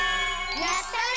やったね！